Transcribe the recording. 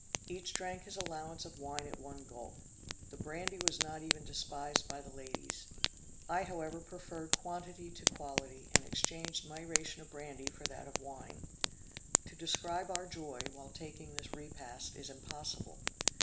Each drank his allowance of wine at one gulp; the brandy was not even despised by the ladies. I however preferred quantity to quality, and exchanged my ration of brandy for that of wine. To describe our joy, while taking this repast, is impossible.